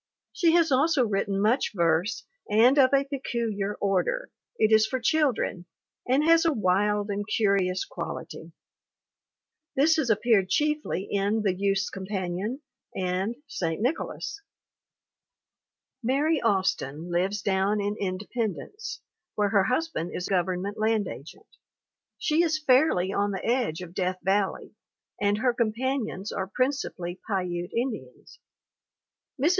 She has also written much verse and of a peculiar order. It is for children, and has a wild and curious quality. This has appeared chiefly in the Youth's Companion and St. Nicholas. "Mary Austin lives down in Independence, where her husband is Government land agent. She is fairly on the edge of Death Valley, and her companions are principally Piute Indians. ... Mrs.